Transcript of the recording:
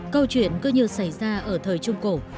câu chuyện cứ như xảy ra ở thời trung cổ